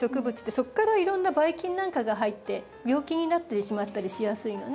そこからいろんなバイ菌なんかが入って病気になってしまったりしやすいのね。